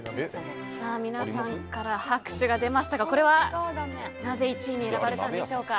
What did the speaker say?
皆さんから拍手が出ましたがなぜ１位に選ばれたんでしょうか。